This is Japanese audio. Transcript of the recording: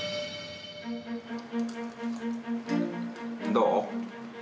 どう？